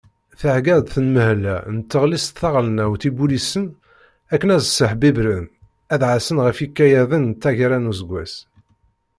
Thegga-d tenmehla n tɣellist taɣelnawt ibulisen akken ad sseḥbibren, ad ɛassen ɣef yikayaden n taggara n useggas.